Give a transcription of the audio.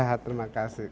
ya terima kasih